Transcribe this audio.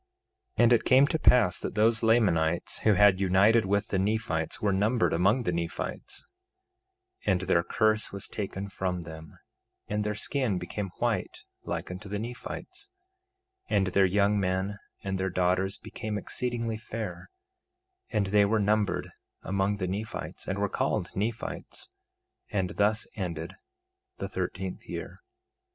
2:14 And it came to pass that those Lamanites who had united with the Nephites were numbered among the Nephites; 2:15 And their curse was taken from them, and their skin became white like unto the Nephites; 2:16 And their young men and their daughters became exceedingly fair, and they were numbered among the Nephites, and were called Nephites. And thus ended the thirteenth year.